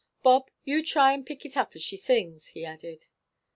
Bob, you try and pick it up as she sings," he added.